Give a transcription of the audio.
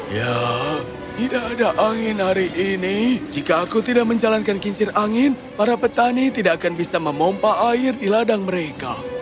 ya tidak ada angin hari ini jika aku tidak menjalankan kincir angin para petani tidak akan bisa memompa air di ladang mereka